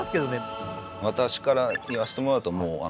私から言わせてもらうとはあ